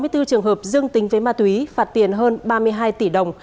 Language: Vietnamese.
hai mươi bốn trường hợp dương tính với ma túy phạt tiền hơn ba mươi hai tỷ đồng